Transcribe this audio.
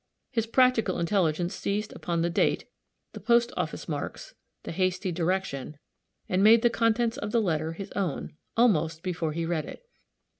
His practical intelligence seized upon the date, the post office marks, the hasty direction, and made the contents of the letter his own, almost, before he read it.